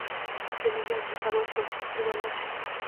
د نیویارک بل پرواز کې به لاړشې.